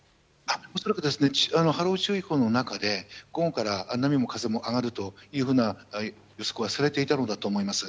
恐らく、波浪注意報の中で午後から波も風も上がるという予測はされていたのだと思います。